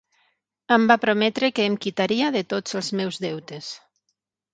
Em va prometre que em quitaria de tots els meus deutes.